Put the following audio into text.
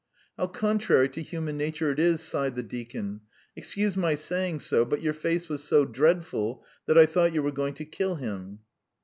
"How contrary to human nature it is!" sighed the deacon. "Excuse my saying so, but your face was so dreadful that I thought you were going to kill him."